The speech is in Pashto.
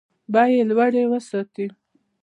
بیې لوړې وساتي.